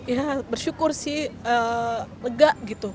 ya bersyukur sih lega gitu